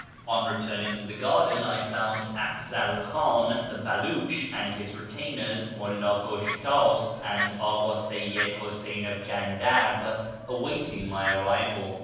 On returning to the garden I found Afzal Khan the Beluch and his retainers, Mulla Gushtasp, and Aka Seyyid Huseyn of Jandak, awaiting my arrival.